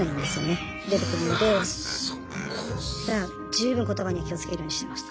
十分言葉に気をつけるようにしてました。